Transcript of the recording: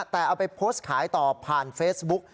แต่เอาไปโพสต์ขายต่อผ่านเฟซบุ๊ก